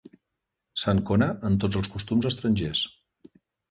S'encona en tots els costums estrangers.